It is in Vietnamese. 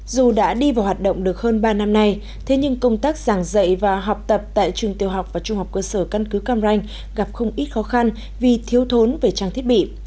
dù đã đi vào hoạt động được hơn ba năm nay thế nhưng công tác giảng dạy và học tập tại trường tiêu học và trung học cơ sở căn cứ cam ranh gặp không ít khó khăn vì thiếu thốn về trang thiết bị